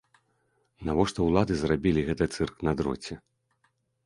Навошта ўлады зрабілі гэты цырк на дроце?